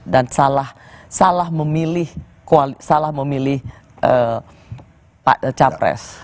dan salah memilih pak capres